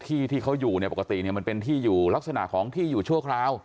ที่ที่เขาอยู่ปกติมันเป็นที่อยู่ลักษณะของที่อยู่ชั่วคราว